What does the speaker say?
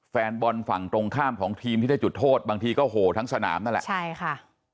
แฟนบอลฝั่งตรงข้ามของทีมที่ต้องจุดโทษบางทีก็เหอะทั้งสนามนั่นแหละ